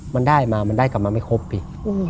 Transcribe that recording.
มันได้มามันได้กลับมาไม่ครบอีก